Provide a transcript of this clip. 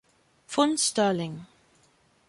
Pfund Sterling.